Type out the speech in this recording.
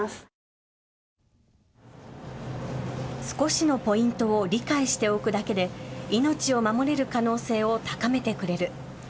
少しのポイントを理解しておくだけで命を守れる可能性を高めてくれる。